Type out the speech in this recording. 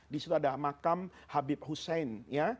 di situ ada makam habib hussein